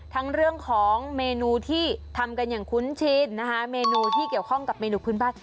ทั้งเรื่องของเมนูที่ทำกันอย่างคุ้นชินนะคะเมนูที่เกี่ยวข้องกับเมนูพื้นบ้าน